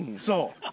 そう。